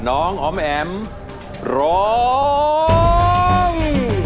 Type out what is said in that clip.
น้องออมแอ๋มร้อง